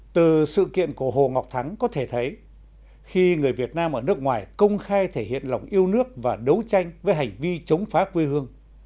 từ sự kiện của hồ ngọc thắng có thể thấy khi người việt nam ở nước ngoài công khai thể hiện lòng yêu nước và đấu tranh với hành vi chống phá quê hương